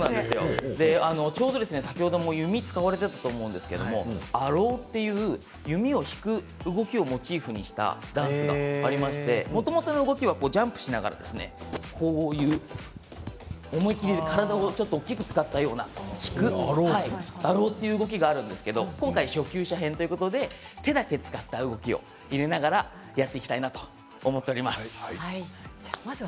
ちょうど先ほども弓を使われていたと思うんですけれどもアローという弓を引く動きをモチーフにしたダンスがありましてもともとの動きはジャンプしながらこういう思い切り体を大きく使ったようなアローという動きがあるんですが今回、初級者編ということで手だけ使った動きを入れながらやっていきたいなと思っております。